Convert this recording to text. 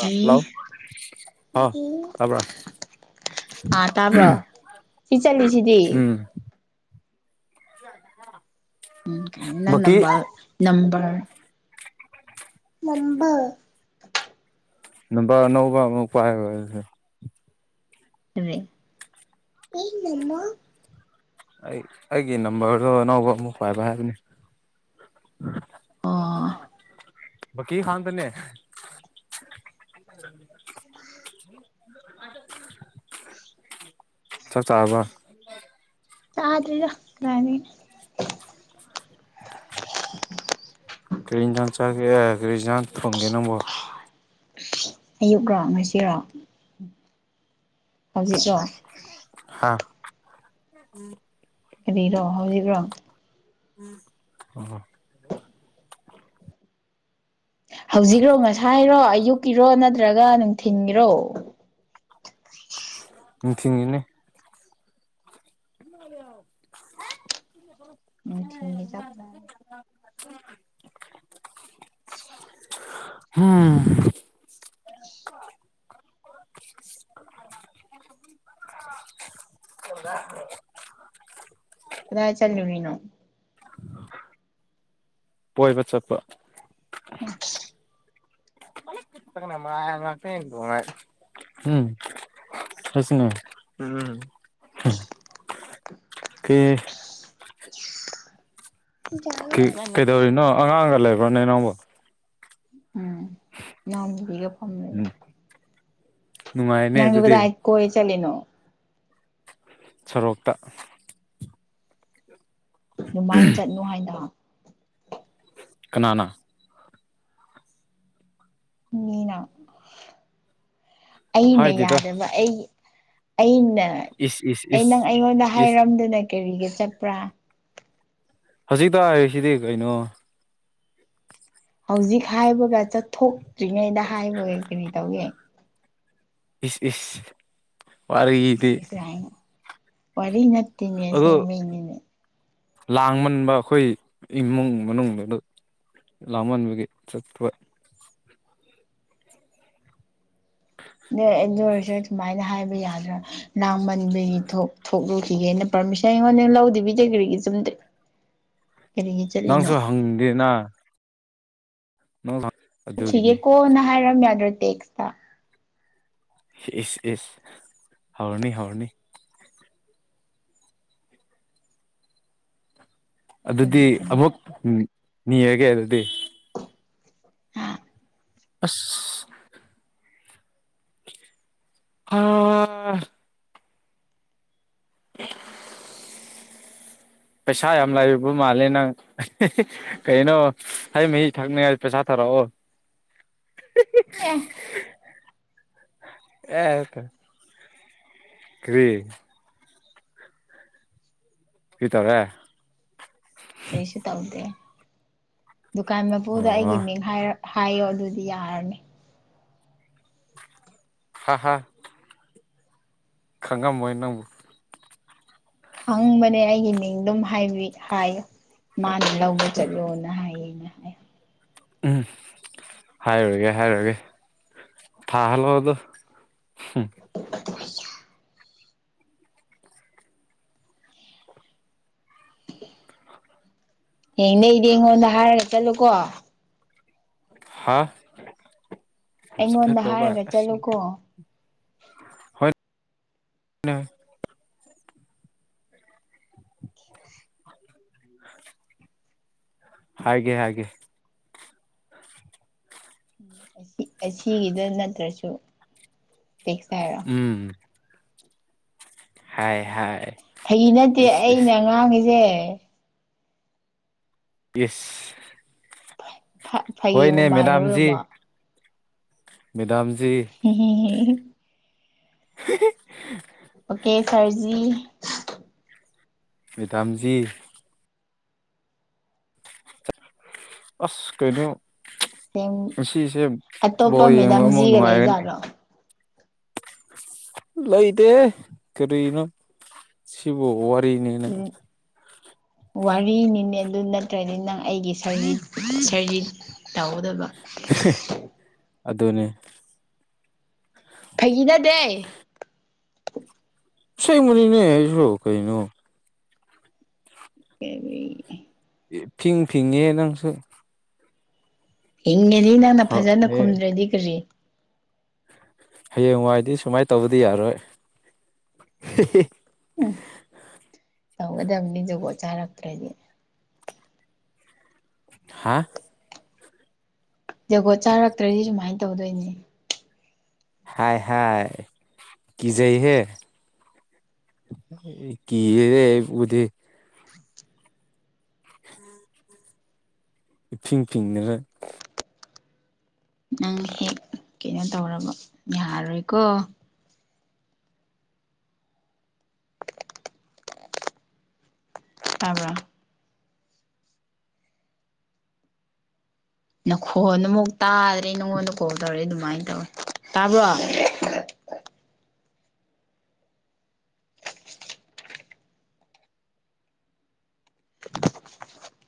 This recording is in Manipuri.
ꯖꯤ ꯍ ꯇꯕ꯭ꯔꯥ ꯑꯥ ꯇꯥꯕ꯭ꯔꯣ ꯁꯤ ꯆꯠꯂꯤꯁꯤꯗꯤ ꯎꯝ [inaudible] ꯎꯝ ꯀꯥꯏꯅ ꯅꯪ ꯕꯀꯤ ꯅꯝꯕꯜ ꯅꯝꯕꯔ ꯅꯝꯕ ꯅꯝꯕꯔ ꯑꯅꯧꯕ ꯑꯃꯨꯛ ꯄꯥꯢ [unintelligible] [unintelligible] ꯑꯩ ꯑꯩꯒꯤ ꯅꯝꯕꯔꯗꯣ ꯑꯅꯧꯕ ꯑꯃꯨꯛ ꯄꯥꯏꯕ ꯍꯥꯏꯕꯅꯤ ꯑꯣ [unintelligible] [unintelligible] [unintelligible] ꯆꯥꯛ ꯆꯥꯔꯕ ꯆꯥꯗ꯭ꯔꯤꯗ ꯀꯗꯥꯢꯗꯒꯤ ꯀꯔꯤ ꯏꯟꯖꯥꯡ ꯆꯒꯦ ꯀ꯭ꯔꯤꯖꯥꯡ ꯊꯣꯡꯒꯦ ꯅꯪꯕꯣ [unintelligible] ꯑꯌꯨꯛ ꯔꯣ ꯉꯁꯤꯔꯣ ꯍꯧꯖꯤꯛꯔꯣ ꯍꯥ ꯀꯔꯤꯔꯣ ꯍꯧꯖꯤꯛꯔꯣ [unintelligible] ꯍꯧꯖꯤꯛꯔꯣ ꯉꯁꯥꯏꯔꯣ ꯑꯌꯨꯛꯀꯤꯔꯣ ꯅꯠꯇ꯭ꯔꯒ ꯅꯨꯡꯊꯤꯟꯒꯤꯔꯣ ꯅꯨꯡꯊꯤꯟꯒꯤꯅꯦ [unintelligible] ꯅꯨꯡꯊꯤꯟꯒꯤ ꯆꯥꯛ ꯆꯥꯗ꯭ꯔꯤ [unintelligible] ꯍꯨꯝ [unintelligible] ꯀꯗꯥꯏ ꯆꯠꯂꯨꯔꯤꯅꯣ [inaudible] ꯀꯣꯏꯕ ꯆꯠꯄ [unintelligible] ꯎꯝ ꯑꯩꯁꯨꯅꯦ [unintelligible] [unintelligible] ꯀꯩꯗꯧꯔꯤꯅꯣ ꯑꯉꯥꯡꯒ ꯂꯩꯕ꯭ꯔꯣꯅꯦ ꯅꯪꯕꯣ ꯎꯝ ꯢꯅꯥꯎꯄꯤꯒ ꯐꯝ ꯂꯩ ꯎꯝ ꯅꯨꯡꯉꯥꯏꯅꯦ ꯅꯪꯁꯨ ꯑꯗꯨꯗꯤ ꯀꯗꯥꯢ ꯀꯣꯢ ꯆꯠꯂꯤꯅꯣ ꯁꯣꯔꯣꯛꯇ ꯗꯨꯃꯥꯏ ꯆꯠꯅꯨ ꯍꯥꯏꯗ ꯀꯅꯥꯅ ꯃꯤꯅ ꯑꯩꯅ ꯍꯥꯏꯗꯦꯗ ꯌꯥꯗꯦꯕ ꯑꯩ ꯑꯩꯅ ꯏꯁ ꯏꯁ ꯑꯩ ꯏꯁ ꯅꯪ ꯑꯩꯉꯣꯟꯗ ꯏꯁ ꯍꯥꯏꯔꯝꯗꯅ ꯀꯔꯤꯒꯤ ꯆꯠꯄꯔꯥ ꯍꯧꯖꯤꯛꯇ ꯍꯥꯏꯔꯤꯁꯤꯗꯤ ꯀꯩꯅꯣ ꯍꯧꯖꯤꯛ ꯍꯥꯏꯕꯒ ꯆꯠꯊꯣꯛꯇ꯭ꯔꯤꯉꯩꯗ ꯍꯥꯏꯕꯗꯤ ꯀꯔꯤ ꯇꯧꯢ ꯏꯁ ꯢꯁ ꯢꯁ ꯢꯁ ꯀꯥꯢꯅ ꯋꯥꯔꯤ ꯅꯠꯇꯦꯅꯦ ꯑꯗꯨ ꯑꯁꯦꯡꯕꯩꯅꯤꯅꯦ ꯂꯥꯡꯃꯟꯕ ꯑꯩꯈꯣꯏ ꯏꯃꯨꯡ ꯃꯅꯨꯡꯗꯨꯗ ꯂꯥꯡꯃꯟꯕꯒꯤ ꯆꯠꯄ ꯑꯗꯨ ꯑꯣꯏꯔꯁꯨ ꯑꯗꯨꯃꯥꯏꯅ ꯍꯥꯏꯕ ꯌꯥꯗ꯭ꯔ ꯂꯥꯡꯃꯟꯕꯒꯤ ꯊꯣꯛ ꯊꯣꯛ ꯂꯨꯈꯤꯒꯦꯅ ꯄꯥꯔꯃꯤꯁꯟ ꯑꯩꯉꯣꯟꯗ ꯂꯧꯗꯕꯤꯗ ꯀ꯭ꯔꯤꯒꯤ ꯆꯨꯝ ꯗꯦ [inaudible] ꯅꯪꯁꯨ ꯍꯪꯗꯦꯅ [unintelligible] ꯁꯤꯒꯤ ꯀꯣꯟꯅ ꯍꯥꯏꯔꯝ ꯌꯥꯗ꯭ꯔꯣ ꯇꯦꯛꯁꯇ ꯢꯁ ꯢꯁ ꯍꯧꯔꯅꯤ ꯍꯧꯔꯅꯤ ꯑꯗꯨꯗꯤ ꯆꯨꯝꯕ ꯆꯨꯝꯗ꯭ꯔꯣ ꯑꯃꯨꯛ ꯎꯝ ꯅꯤꯔꯒꯦ ꯑꯗꯨꯗꯤ [unintelligible] ꯑꯁ [unintelligible] ꯑ [unintelligible] [inaudible] ꯄꯩꯁꯥ ꯌꯥꯝ ꯂꯩꯕ ꯃꯥꯜꯂꯦ ꯅꯪ ꯀꯩꯅꯣ ꯍꯩ ꯃꯍꯤ ꯊꯛꯅꯤꯡꯉꯥꯏ ꯄꯩꯁꯥ ꯊꯥꯔꯛꯑꯣ ꯑ‌ꯦ ꯑꯦꯀ ꯀ꯭ꯔꯤ ꯀ꯭ꯔꯤ ꯇꯧꯔ‌ꯦ ꯀꯔꯤꯁꯨ ꯇꯧꯗꯦ ꯗꯨꯀꯥꯟ ꯃꯄꯨꯗ ꯑꯣ ꯑꯩꯒꯤ ꯃꯤꯡ ꯍꯥꯏꯔꯛ ꯍꯥꯏꯌꯣ ꯑꯗꯨꯗꯤ ꯌꯥꯔꯅꯤ [unintelligible] ꯈꯪꯉꯝꯃꯣꯏ ꯅꯪꯕꯨ ꯈꯪꯕꯅꯦ ꯑꯩꯒꯤ ꯃꯤꯡ ꯑꯗꯨꯝ ꯍꯥꯏꯕꯤ ꯍꯥꯏꯌ‌ꯣ ꯃꯥꯅ ꯂꯧꯕ ꯆꯠꯂꯣꯅ ꯍꯥꯏꯌꯦꯅ ꯍꯥꯏ ꯎꯝ ꯍꯥꯏꯔꯨꯔꯒꯦ ꯍꯥꯏꯔꯨꯔꯒꯦ ꯊꯥꯍꯜꯂꯛꯑꯣꯗꯣ [unintelligible] ꯍꯌꯦꯡꯗꯩꯗꯤ ꯑꯩꯉꯣꯟꯗ ꯍꯥꯏꯔꯒ ꯆꯠꯂꯨꯀꯣ ꯍꯥꯥ ꯑꯩꯉꯣꯟꯗ ꯍꯥꯏꯔꯒ ꯆꯠꯂꯨꯀꯣ ꯍ‌ꯣꯏ ꯅꯪ ꯍꯥꯏꯒ‌ꯦ ꯍꯥꯏꯒ‌ꯦ ꯑꯁꯤꯒꯤꯗ ꯅꯠꯇ꯭ꯔꯁꯨ ꯇꯦꯛꯁ ꯊꯥꯔꯛ ꯎꯝ ꯍꯥꯏ ꯍꯥꯏ ꯐꯥꯒꯤ ꯅꯠꯇꯦ ꯏꯁ ꯏꯁ ꯑꯩꯅ ꯉꯥꯡꯉꯤꯁꯦ ꯏꯁ ꯐ ꯐꯥꯒꯤꯕꯨ ꯍꯣꯏꯅꯦ ꯃꯦꯗꯥꯝꯖꯤ ꯃꯥꯜꯂꯨꯔꯕꯣ ꯃꯦꯗꯥꯝꯖꯤ [unintelligible] [unintelligible] ꯑꯣꯀꯦ ꯁꯔꯖꯤ ꯃ‌ꯦꯗꯥꯝꯖꯤ ꯑꯁ ꯀꯩꯅꯣ ꯁꯦꯝ ꯉꯁꯤꯁꯦ ꯑꯇꯣꯞꯄ ꯕꯣꯜ ꯌꯦꯡꯕ ꯑꯃꯨꯛ ꯃꯦꯗꯥꯝꯖꯤꯒ ꯅꯨꯡꯉꯥꯏꯒꯅꯤ ꯂꯩꯖꯥꯠꯂꯣ ꯂꯩꯇꯦꯍ‌ꯦ ꯀꯔꯤꯅꯣ ꯁꯤꯕꯨ ꯋꯥ ꯎꯝ ꯋꯥꯔꯤꯅꯤꯅꯦ ꯑꯗꯨ ꯅꯠꯇ꯭ꯔꯗꯤ ꯅꯪ ꯑꯩꯒꯤ ꯁꯔꯤ ꯁꯔꯤ ꯇꯧꯒꯗꯕ ꯑꯗꯨꯅꯦ ꯐꯥꯒꯤ ꯅꯠꯇ‌ꯦ ꯁ‌ꯦꯡꯕꯅꯤꯅ‌ꯦ ꯑꯩꯁꯨ ꯀꯔꯤꯅꯣ ꯀꯦꯕꯤ ꯏꯐꯤꯡ ꯐꯤꯡꯉꯦ ꯅꯪꯁꯨ ꯐꯤꯡꯉꯗꯤ ꯅꯪꯅ ꯐꯖꯅ ꯍꯌꯦꯡ ꯈꯨꯝꯗ꯭ꯔꯥꯗꯤ ꯀꯔꯤ ꯍꯌꯦꯡꯋꯥꯏꯗꯤ ꯁꯨꯃꯥꯏꯅ ꯇꯧꯕꯗꯤ ꯌꯥꯔꯣꯏ ꯎꯝ ꯇꯧꯒꯗꯕꯅꯤ ꯖꯨꯒꯣꯠ ꯆꯥꯔꯛꯇ꯭ꯔꯗꯤ ꯍꯥꯥ ꯖꯨꯒꯣꯠ ꯆꯥꯔꯛꯇ꯭ꯔꯗꯤ ꯁꯨꯃꯥꯏꯅ ꯇꯧꯗꯣꯏꯅꯦ ꯍꯥꯏ ꯍꯥꯏ ꯀꯖꯩꯍꯦ ꯀꯤꯔ‌ꯦꯍ‌ꯦ ꯑꯩꯈ‌ꯣꯏꯗꯤ ꯏꯐꯤꯡ ꯐꯤꯡꯗꯅ ꯅꯪ ꯍꯦꯛ ꯀꯩꯅꯣ ꯇꯧꯔꯕ ꯌꯥꯔꯣꯏꯀꯣ ꯇꯥꯕ꯭ꯔ ꯅꯈꯣꯟꯅ ꯑꯃꯨꯛ ꯇꯥꯗ꯭ꯔꯦ ꯅꯪꯉꯣꯟꯗ ꯀꯣꯜ ꯇꯧꯔꯛꯑꯦ ꯑꯗꯨꯃꯥꯏꯅ ꯇꯧꯋꯦ ꯇꯥꯕ꯭ꯔꯣ [unintelligible]